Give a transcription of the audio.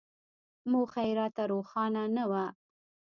موخه یې راته روښانه نه وه.